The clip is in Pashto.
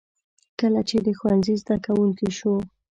کله چې د ښوونځي زده کوونکی شو.